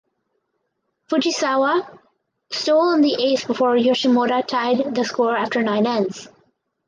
Fujisawa stole in the eighth before Yoshimura tied the score after nine ends.